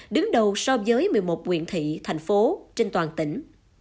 đứng đầu so với một mươi một nguyện thị thành phố trên toàn tỉnh